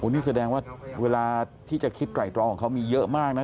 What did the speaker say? นี่แสดงว่าเวลาที่จะคิดไตรรองของเขามีเยอะมากนะ